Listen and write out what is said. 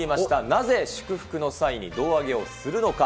なぜ祝福の際に胴上げをするのか。